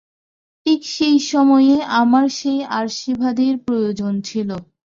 ঠিক সেই সময়ে আমার সেই আশীর্বাদের প্রয়োজন ছিল।